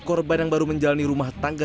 korban yang baru menjalani rumah tangga